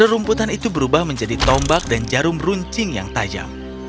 rumputan itu berubah menjadi tombak dan jarum runcing yang tajam